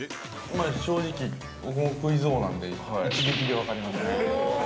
◆正直、僕もクイズ王なんで一撃で分かりますね。